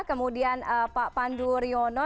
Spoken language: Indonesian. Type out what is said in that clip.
kemudian pak pandu riono